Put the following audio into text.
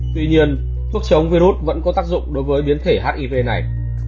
tuy nhiên thuốc chống virus vẫn có tác dụng đối với biến thể hiv này